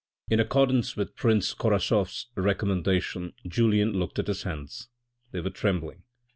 In accordance with Prince Korasoff's recommendation, Julien looked at his hands. They were trembling.